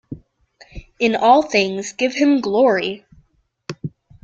In all things give him glory.